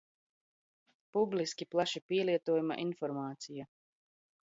Publiski plaši pielietojama informācija.